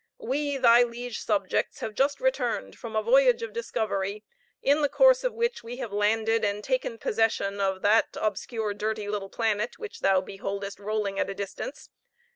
We, thy liege subjects, have just returned from a voyage of discovery, in the course of which we have landed and taken possession of that obscure little dirty planet, which thou beholdest rolling at a distance.